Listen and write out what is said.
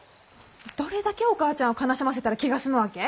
どれだけお母ちゃんを悲しませたら気が済むわけ？